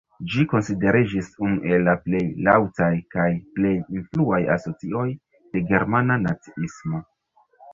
Ĝi konsideriĝis unu el la plej laŭtaj kaj plej influaj asocioj de germana naciismo.